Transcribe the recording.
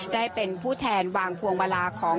ได้เป็นผู้แทนวางพวงมาลาของ